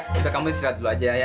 kita istirahat dulu aja ayah